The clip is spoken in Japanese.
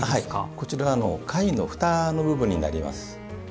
こちら貝のふたの部分になります。